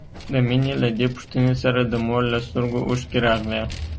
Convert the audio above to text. د مينې له دې پوښتنې سره د مور له سترګو اوښکې راغلې.